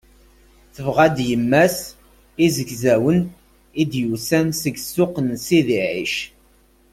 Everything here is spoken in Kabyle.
Tebɣa-d yemma-s izegzawen i d-yusan seg ssuq n Sidi Ɛic.